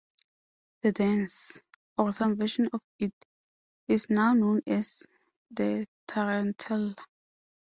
The dance, or some version of it, is now known as the tarantella.